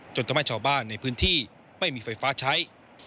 ทำให้ชาวบ้านในพื้นที่ไม่มีไฟฟ้าใช้